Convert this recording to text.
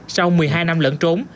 sau một mươi hai năm lẫn trốn